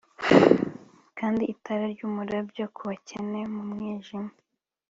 kandi itara ryumurabyo kubakene mu mwijima